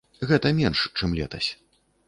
Гэта менш, чым летась.